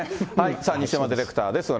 さあ、西山ディレクターです。